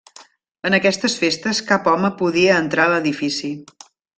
En aquestes festes cap home podia entrar a l'edifici.